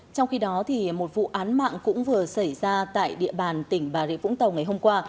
trong khi đó một vụ án mạng cũng vừa xảy ra tại địa bàn tỉnh bà rịa vũng tàu ngày hôm qua